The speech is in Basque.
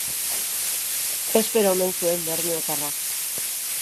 Espero omen zuen bermeotarrak.